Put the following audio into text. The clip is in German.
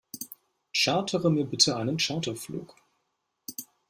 Chartere mir bitte einen Charterflug!